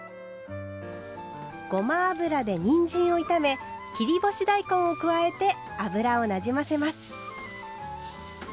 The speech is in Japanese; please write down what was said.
ごま油でにんじんを炒め切り干し大根を加えて油をなじませます。